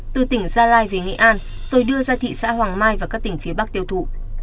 từ tỉnh gia lai về nghệ an rồi đưa ra thị xã hoàng mai và các tỉnh phía bắc tiêu thụ